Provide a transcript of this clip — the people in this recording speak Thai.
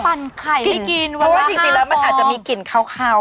ปั่นไข่ไม่กินว่า๕สองเพราะว่าจริงแล้วมันอาจจะมีกลิ่นขาว